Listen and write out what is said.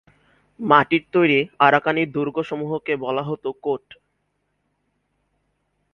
মাটির তৈরি আরাকানি দুর্গ সমূহকে বলা হত ‘কোট’।